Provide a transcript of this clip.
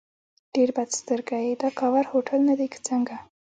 ډېر بد سترګی یې، دا کاوور هوټل نه دی که څنګه؟